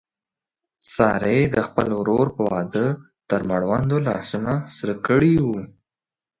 سارې د خپل ورور په واده تر مړونده لاسونه سره کړي و.